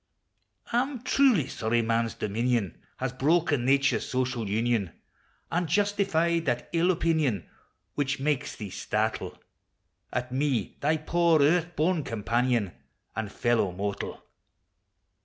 T 'm truly sorry man's dominion Has broken nature's social union, An' justifies that ill opinion Which makes thee startle At me, thy poor earth born companion, An' fellow mortal